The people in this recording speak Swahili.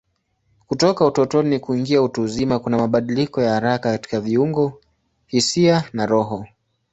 Kutoka utotoni kuingia utu uzima kuna mabadiliko ya haraka katika viungo, hisia na roho.